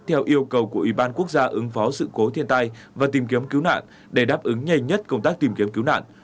theo yêu cầu của ủy ban quốc gia ứng phó sự cố thiên tai và tìm kiếm cứu nạn để đáp ứng nhanh nhất công tác tìm kiếm cứu nạn